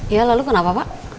ya lalu kenapa pak